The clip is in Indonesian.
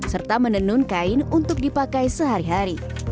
serta menenun kain untuk dipakai sehari hari